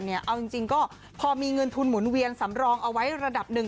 เอาจริงก็พอมีเงินทุนหมุนเวียนสำรองเอาไว้ระดับหนึ่ง